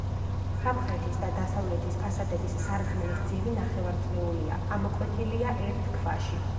სამხრეთის და დასავლეთის ფასადების სარკმლის ძირი ნახევარწრიულია, ამოკვეთილია ერთ ქვაში.